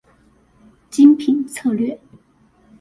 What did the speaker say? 精品策略